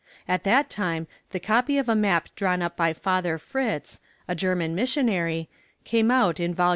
At that time the copy of a map drawn up by Father Fritz, a German missionary, came out in Vol.